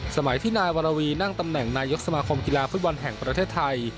สมัยที่นายวรวีนั่งตำแหน่งนายกสมาคมกีฬาฟุตบอลแห่งประเทศไทย